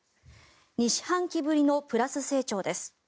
２四半期ぶりのプラス成長です。